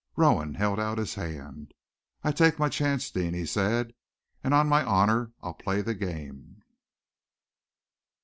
Rowan held out his hand. "I take my chance, Deane," he said, "and on my honor I'll play the game."